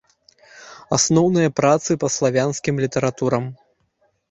Асноўныя працы па славянскім літаратурам.